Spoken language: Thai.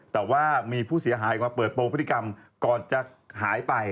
แต่ว่ามีผู้เสียหายมาเปิดโปรงพฤติกรรมก่อนจะหายไป